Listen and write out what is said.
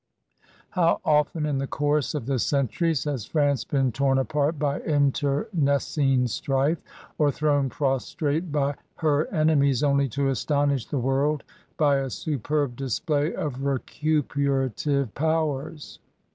How often in the course of the centuries has France been torn apart by internecine strife or thrown prostrate by her enemies only to astonish the world by a superb display of recuperative powers!